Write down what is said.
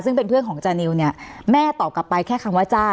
ซึ่งเป็นเพื่อนของจานิวเนี่ยแม่ตอบกลับไปแค่คำว่าจ้า